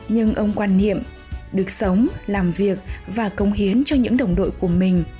nhưng ông quan niệm được sống làm việc và công hiến cho những đồng đội của mình